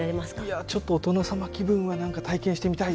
いやちょっとお殿様気分は何か体験してみたいですね。